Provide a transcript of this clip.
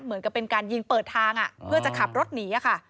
เหมือนกับเป็นการยิงเปิดทางเพื่อจะขับรถหนีค่ะ